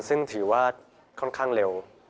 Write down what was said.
ซึ่งถือว่าค่อนข้างเร็ว